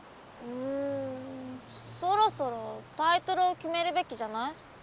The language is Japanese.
うんそろそろタイトルを決めるべきじゃない？